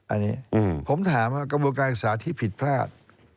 อันนี้ผมถามว่ากระบวนการศึกษาที่ผิดพลาด